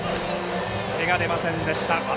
手が出ませんでした。